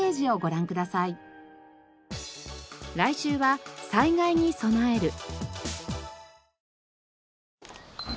来週は災害に備える。